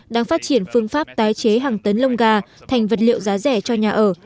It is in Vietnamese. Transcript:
đang phát triển phương pháp tái chế hàng tấn lông gà thành vật liệu giá rẻ cho nhà ở